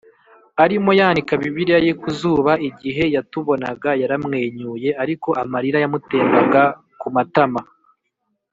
Arimo yanika bibiliya ye ku zuba igihe yatubonaga yaramwenyuye ariko amarira yamutembaga ku matama